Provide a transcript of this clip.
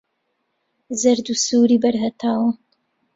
زەرد و سووری بەر هەتاوە